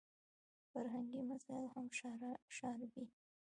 فرهنګي مسایل هم شاربي.